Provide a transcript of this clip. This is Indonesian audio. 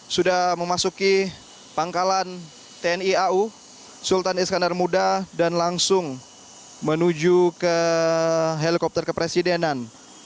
sudah memasuki pangkalan tni au sultan iskandar muda dan langsung menuju ke helikopter kepresidenan